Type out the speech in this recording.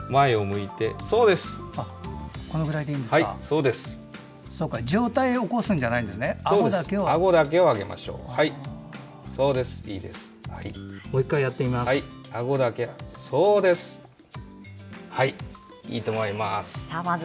いいと思います。